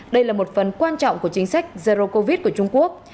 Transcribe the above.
đây là một phần quan trọng của chính sách zero covid của trung quốc